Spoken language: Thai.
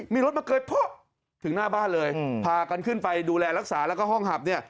มีรถมาเกยโพะถึงหน้าบ้านเลยพากันขึ้นไปดูแลรักษาแล้วก็ห้องหับเนี่ย